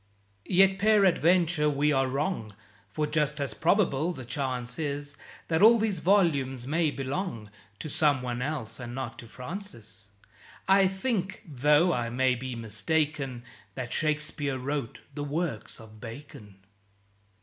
Yet peradventure we are wrong, For just as probable the chance is That all these volumes may belong To someone else, and not to Francis. I think, tho' I may be mistaken, That Shakespeare wrote the works of Bacon.